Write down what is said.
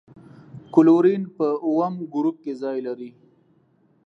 کلورین په اووم ګروپ کې ځای لري.